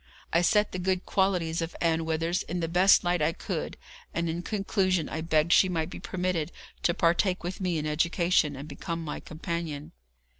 I set the good qualities of Ann Withers in the best light I could, and in conclusion I begged she might be permitted to partake with me in education, and become my companion.